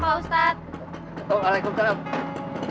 assalamualaikum pak ustadz